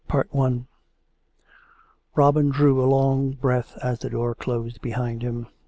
CHAPTER VI Robin drew a long breath as the door closed behind him.